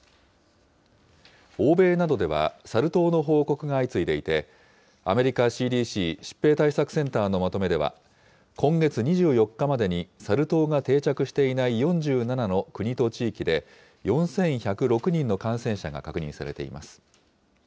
欧米などではサル痘の報告が相次いでいて、アメリカＣＤＣ・疾病対策センターのまとめでは、今月２４日までにサル痘が定着していない４７の国と地域で、４１０６人の感染者が確認されています。